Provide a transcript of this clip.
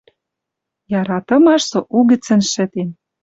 Яратымаш со угӹцӹн шӹтен